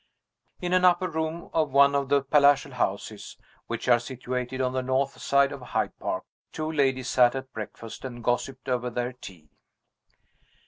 IN an upper room of one of the palatial houses which are situated on the north side of Hyde Park, two ladies sat at breakfast, and gossiped over their tea.